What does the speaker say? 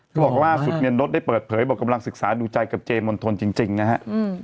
เขาบอกล่าสุดเนี่ยนดได้เปิดเผยบอกกำลังศึกษาดูใจกับเจมณฑลจริงนะฮะ